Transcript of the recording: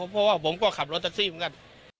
เพราะว่าผมก็ขับรถแท็กซี่เหมือนกัน